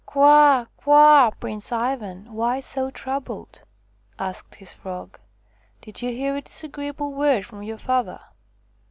"Kwa! kwa! Prince Ivan, why so troubled V' asked his Frog. " Did you hear a disagreeable word from your father